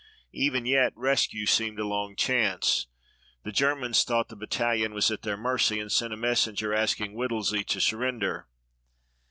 Even yet rescue seemed a long chance. The Germans thought the battalion was at their mercy and sent a messenger asking Whittlesey to surrender.